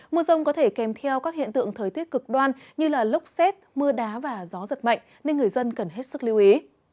mưa rông có thể kèm theo các hiện tượng thời tiết cực đoan như lốc xét mưa đá và gió giật mạnh nên người dân cần hết sức lưu ý